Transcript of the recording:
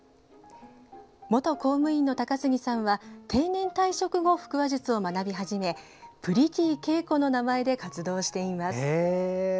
元公務員の高杉さんは定年退職後、腹話術を学び始めプリティけいこの名前で活動しています。